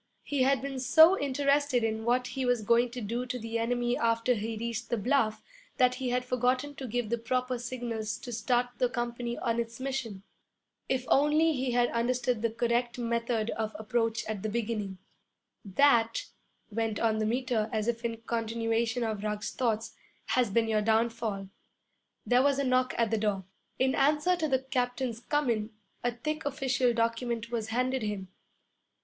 He had been so interested in what he was going to do to the enemy after he reached the bluff, that he had forgotten to give the proper signals to start the company on its mission. If only he had understood the correct method of approach at the beginning! 'That,' went on the Meter, as if in continuation of Ruggs's thoughts, 'has been your downfall.' There was a knock at the door. In answer to the captain's 'Come in,' a thick official document was handed him.